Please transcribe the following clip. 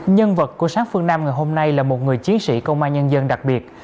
nhân vật của sáng phương nam ngày hôm nay là một người chiến sĩ công an nhân dân đặc biệt